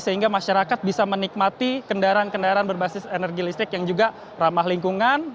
sehingga masyarakat bisa menikmati kendaraan kendaraan berbasis energi listrik yang juga ramah lingkungan